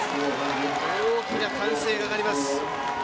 大きな歓声が上がります。